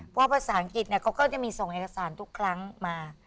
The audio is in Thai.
เพราะภาษาอังกฤษเขาก็จะมีส่งเอกสารทุกครั้งมา